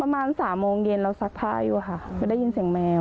ประมาณสามโมงเย็นเราซักผ้าอยู่ค่ะก็ได้ยินเสียงแมว